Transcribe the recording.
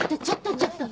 ちょっと。